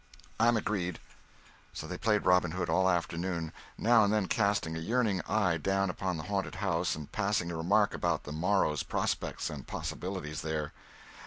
"I'm agreed." So they played Robin Hood all the afternoon, now and then casting a yearning eye down upon the haunted house and passing a remark about the morrow's prospects and possibilities there.